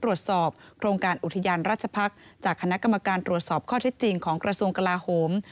ตรวจสอบโครงการอุทยานราชพักษ์จากคณะกรรมการตรวจสอบข้อเท็จจริงของกระทรวงกลาโหม